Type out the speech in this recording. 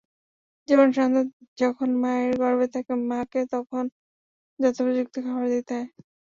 যেমন সন্তান যখন মায়ের গর্ভে থাকে, মাকে তখন যথোপযুক্ত খাবার দিতে হয়।